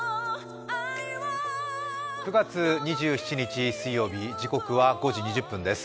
９月２７日水曜日、時刻は５時２０分です。